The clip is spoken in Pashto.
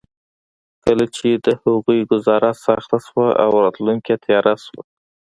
کله چې د هغوی ګوزاره سخته شوه او راتلونکې تياره شوه.